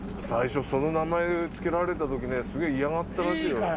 最初、その名前付けられたときね、すげえ嫌がったらしいよ。